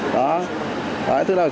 đó đó là thứ nào